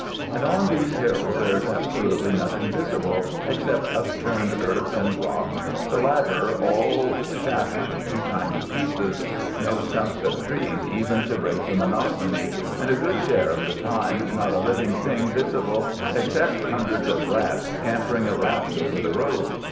And on these hills there is absolutely nothing visi ble except upturned earth and rocks, the latter all shattered to tiny pieces — no stumps of trees even to break the monotony, and a good share of the time not a living thing visible except hundreds of rats scampering around over the road.